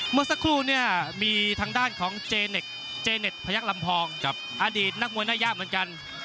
เมื่อสักครู่เนี่ยมีทางด้านของเจเน็ตเจเน็ตพยักษ์ลำพองอดีตนักมวยน่ายากเหมือนกัน